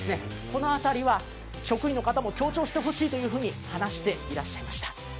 この辺りは職員の方も強調して欲しいと話していらっしゃいました。